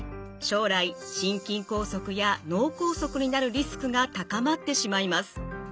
将来心筋梗塞や脳梗塞になるリスクが高まってしまいます。